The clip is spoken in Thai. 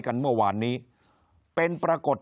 คนในวงการสื่อ๓๐องค์กร